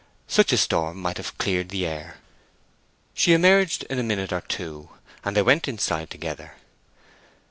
Such a storm might have cleared the air. She emerged in a minute or two, and they went inside together.